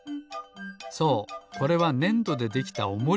そうこれはねんどでできたおもりなんです。